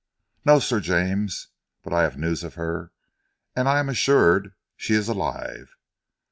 "No, Sir James! But I have news of her, and I am assured she is alive."